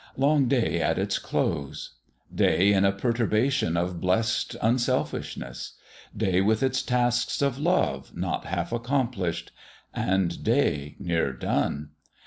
Long Day at its close. Day in a perturbation of blessed unselfishness. Day with its tasks of love not half accomplished. And Day near done !